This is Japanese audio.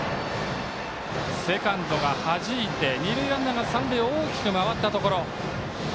セカンドがはじいて二塁ランナーが三塁へ大きく回ったところ。